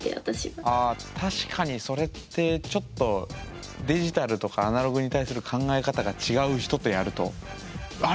あ確かにそれってちょっとデジタルとかアナログに対する考え方が違う人とやるとあれ？